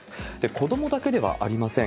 子どもだけではありません。